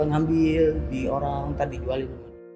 ngambil di orang nanti dijual itu